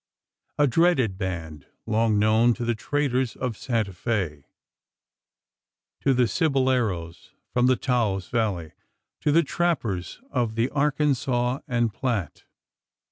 A dreaded band, long known to the traders of Santa Fe to the ciboleros from the Taos Valley to the trappers of the Arkansas and Platte.